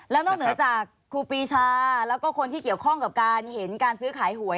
แล้วนอกเหนือจากครูปีชาแล้วก็คนที่เกี่ยวข้องกับการเห็นการซื้อขายหวย